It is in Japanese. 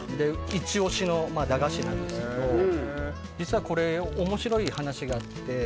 イチ押しの駄菓子なんですが実はこれ、面白い話があって。